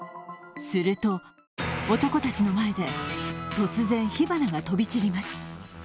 すると男たちの前で突然、火花が飛び散ります。